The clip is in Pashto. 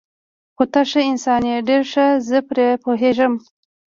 خو ته ښه انسان یې، ډېر ښه، زه پرې پوهېږم.